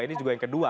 ini juga yang kedua